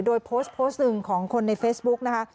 โดยโพสต์โพสต์หนึ่งของคนในเฟซบุ๊กนะคะ